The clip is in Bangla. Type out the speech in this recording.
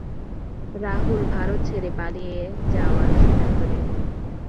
রাহুল ভারত ছেড়ে পালিয়ে যাওয়ার সিদ্ধান্ত নেন।